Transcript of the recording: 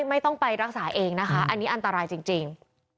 ไม่ต้องไปรักษาเองนะคะอันนี้อันตรายจริง